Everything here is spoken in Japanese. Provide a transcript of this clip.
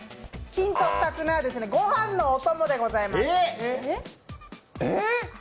ヒント２つ目はご飯のお供でございます。